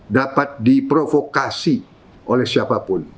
dapat diprovokasi oleh siapapun